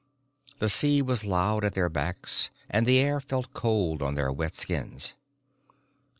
The sea was loud at their backs and the air felt cold on their wet skins.